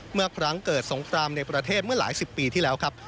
เมื่อครั้งเกิดสงครามในประเทศเมื่อหลายสิบปีที่แล้วครับ